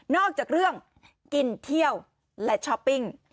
อกจากเรื่องกินเที่ยวและช้อปปิ้ง